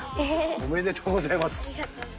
ありがとうございます。